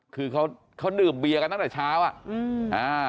คือเขาเขาดื่มเบียกันตั้งแต่เช้าอ่ะอืมอ่า